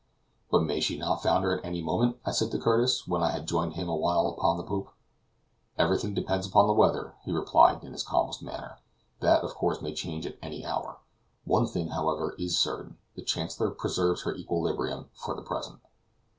"But may she not founder at any moment?" I said to Curtis, when I had joined him for a while upon the poop. "Everything depends upon the weather," he replied, in his calmest manner; "that, of course, may change at any hour. One thing, however, is certain, the Chancellor preserves her equilibrium for the present."